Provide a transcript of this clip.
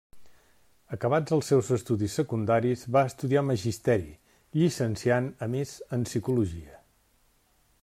Acabats els seus estudis secundaris, va estudiar Magisteri, llicenciant a més en Psicologia.